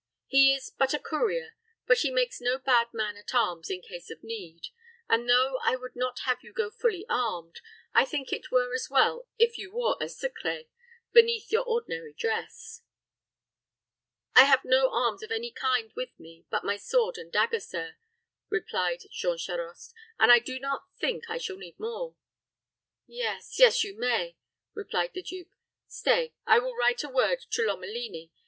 He is but a courier, but he makes no bad man at arms in case of need; and, though I would not have you go fully armed, I think it were as well if you wore a secret beneath your ordinary dress." "I have no arms of any kind with me but my sword and dagger, sir," replied Jean Charost, "and I do not think I shall need more." "Yes yes, you may," replied the duke. "Stay; I will write a word to Lomelini.